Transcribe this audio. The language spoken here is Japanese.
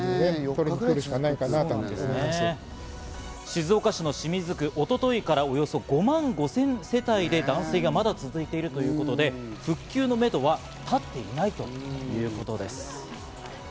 静岡市清水区では一昨日からおよそ５万５０００世帯で断水がまだ続いているということで、復旧のめどは立っていないということです。